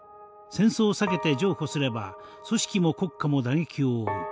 戦争を避けて譲歩すれば組織も国家も打撃を負う。